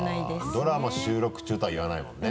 ドラマ収録中とは言わないもんね。